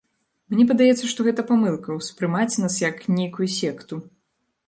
Мне падаецца, што гэта памылка, ўспрымаць нас як нейкую секту.